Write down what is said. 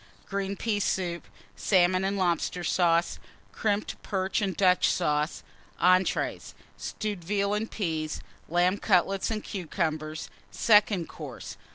Green Pea Soup. Salmon and Lobster Sauce. Crimped Perch and Dutch Sauce. ENTREES. Stewed Veal and Peas. Lamb Cutlets and Cucumbers. SECOND COURSE.